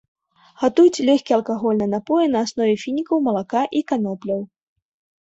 Гатуюць лёгкія алкагольныя напоі на аснове фінікаў, малака і канопляў.